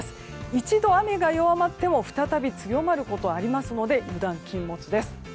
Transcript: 一度雨が弱まっても再び強まることがありますので油断禁物です。